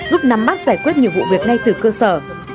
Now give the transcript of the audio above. giúp nắm bắt giải quyết nhiều vụ việc ngay từ cơ sở